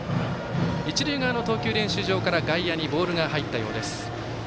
一塁側の投球練習場から、外野にボールが入ったようです。